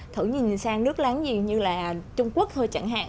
thử nhìn sang nước láng nhiều như là trung quốc thôi chẳng hạn